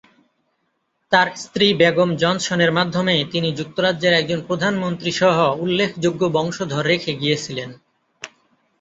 তাঁর স্ত্রী বেগম জনসনের মাধ্যমে তিনি যুক্তরাজ্যের একজন প্রধানমন্ত্রী সহ উল্লেখযোগ্য বংশধর রেখে গিয়েছিলেন।